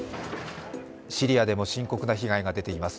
シリアでも深刻な被害が出ています。